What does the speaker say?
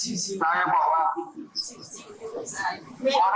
อยู่ในนนเช็มอีกแล้วเราต้องไปไตล์เหรอบะ